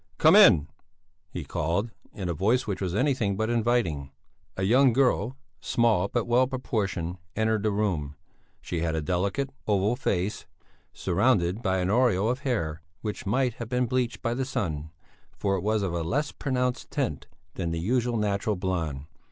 "Come in," he called, in a voice which was anything but inviting. A young girl, small but well proportioned, entered the room. She had a delicate, oval face, surrounded by an aureole of hair which might have been bleached by the sun, for it was of a less pronounced tint than the usual natural blond.